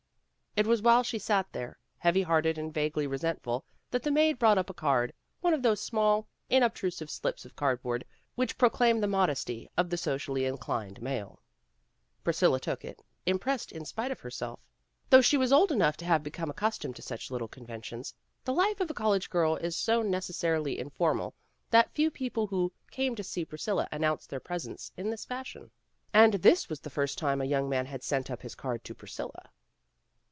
It was while she sat there, heavy hearted and vaguely resentful, that the maid brought up a card, one of those small, inobtrusive slips of cardboard which proclaim the modesty of the socially inclined male. Priscilla took it, im pressed in spite of herself. Though she was 62 PEGGY RAYMOND'S WAY old enough to have become accustomed to such little conventions, the life of a college girl is so necessarily informal that few people who came to see Priscilla announced their presence in this fashion. And this was the first time a young man had sent up his card to Priscilla.